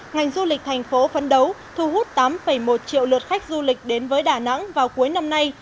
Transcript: ngành du lịch thành phố phấn đấu thu hút tám một triệu lượt khách du lịch đến với đà nẵng vào cuối năm nay